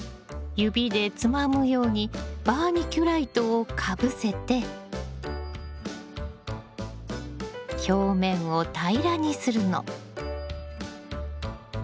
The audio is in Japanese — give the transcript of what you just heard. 指でつまむようにバーミキュライトをかぶせて表面を平らにするの。